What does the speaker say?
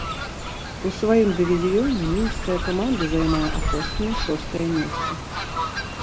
У сваім дывізіёне мінская каманда займае апошняе шостае месца.